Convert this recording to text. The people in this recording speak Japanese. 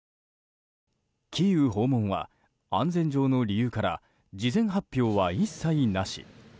キーウ訪問は安全上の理由から事前発表は一切なし。